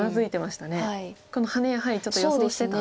このハネやはりちょっと予想してた。